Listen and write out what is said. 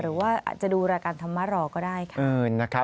หรือว่าอาจจะดูรายการธรรมะรอก็ได้ค่ะ